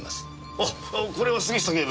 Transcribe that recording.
あこれは杉下警部。